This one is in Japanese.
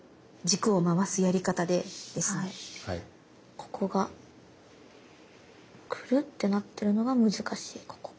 ここがクルッてなってるのが難しいここが。